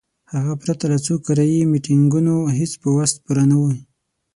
هغه پرته له څو کرایي میټینګونو هیڅ په وس پوره نه وي.